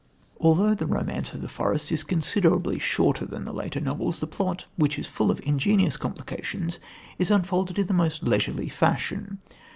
Although the Romance of the Forest is considerably shorter than the later novels, the plot, which is full of ingenious complications, is unfolded in the most leisurely fashion.